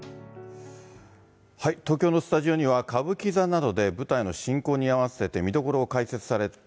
東京のスタジオには、歌舞伎座などで舞台の進行に合わせて、見どころを解説されて、